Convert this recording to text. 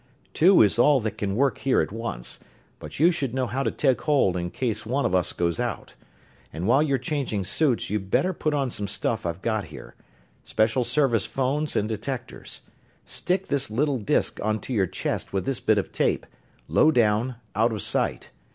"Two is all that can work here at once, but you should know how to take hold in case one of us goes out. And while you're changing suits you'd better put on some stuff I've got here Service special phones and detectors. Stick this little disk onto your chest with this bit of tape; low down, out of sight.